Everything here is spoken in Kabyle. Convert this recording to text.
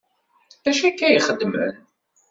D acu akka ay xeddmen?